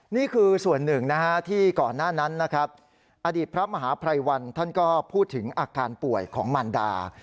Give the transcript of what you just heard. นี่คือส่วนหนึ่งที่ก่อนหน้านั้นนะครับ